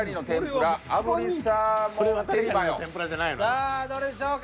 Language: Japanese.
さあどれでしょうか？